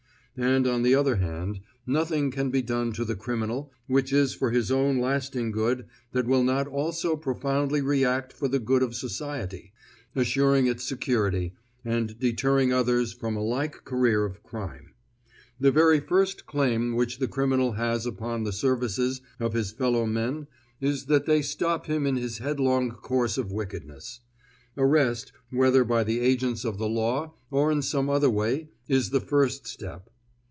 And on the other hand, nothing can be done to the criminal which is for his own lasting good that will not also profoundly react for the good of society, assuring its security, and deterring others from a like career of crime. The very first claim which the criminal has upon the services of his fellow men is that they stop him in his headlong course of wickedness. Arrest, whether by the agents of the law or in some other way, is the first step.